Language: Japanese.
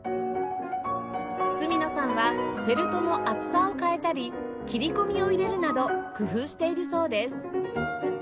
角野さんはフェルトの厚さを変えたり切り込みを入れるなど工夫しているそうです